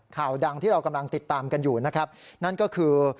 ข่าวดังที่เรากำลังติดตามกันอยู่นะครับนั่นก็คือ